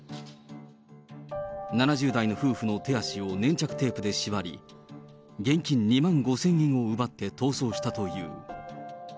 ７０代の夫婦の手足を粘着テープで縛り、現金２万５０００円を奪って逃走したという。